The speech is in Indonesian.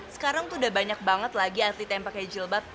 sekarang tuh udah banyak banget lagi atlet yang pakai jilbab